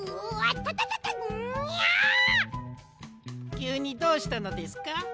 きゅうにどうしたのですか？